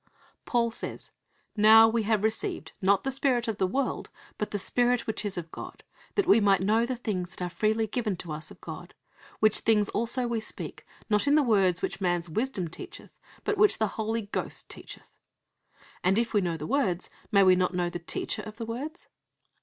Paul says: "Now we have received, not the spirit of the world, but the Spirit which is of God; that we might know the things that are freely given to us of God. Which things also we speak, not in the words which man's wisdom teacheth, but which the Holy Ghost teacheth" (I Cor. ii. 12, 13). And if we know the words, may we not know the Teacher of the words?